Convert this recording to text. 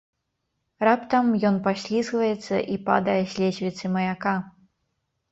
Раптам, ён паслізгваецца і падае з лесвіцы маяка.